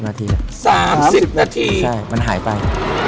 ๓๐นาทีใช่มันหายไป